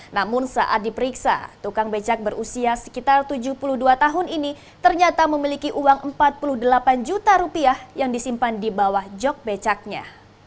namun saat diperiksa tukang becak berusia sekitar tujuh puluh dua tahun ini ternyata memiliki uang empat puluh delapan juta rupiah yang disimpan di bawah jog becaknya